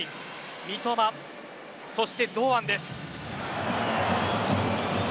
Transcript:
三笘、そして堂安です。